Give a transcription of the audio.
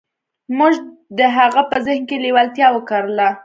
موږ د هغه په ذهن کې لېوالتیا وکرله.